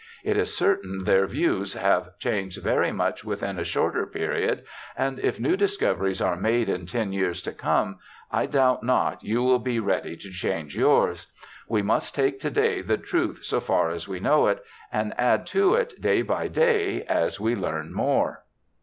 It is certain their views have changed very much within a shorter period, and if new discoveries are made in ten years to come I doubt not you will be ready to change yours. We must take to day the truth so far as we know it, and add to it day by day as we learn more.'